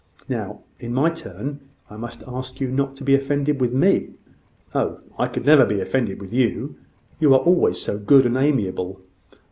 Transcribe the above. Now, in my turn, I must ask you not to be offended with me." "Oh, I never could be offended with you; you are always so good and amiable.